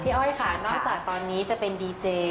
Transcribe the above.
อ้อยค่ะนอกจากตอนนี้จะเป็นดีเจ